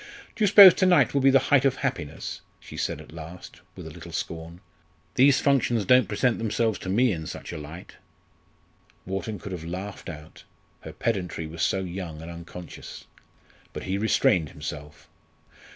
"Do you suppose to night will be the height of happiness?" she said at last with a little scorn. "These functions don't present themselves to me in such a light." Wharton could have laughed out her pedantry was so young and unconscious. But he restrained himself.